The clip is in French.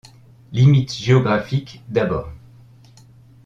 Limites géographiques, d'abord.